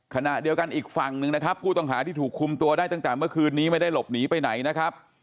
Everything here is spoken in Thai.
ขณะเดียวกันอีกฝั่งหนึ่งนะครับผู้ต้องหาที่ถูกคุมตัวได้ตั้งแต่เมื่อคืนนี้ไม่ได้หลบหนีไปไหนนะครับ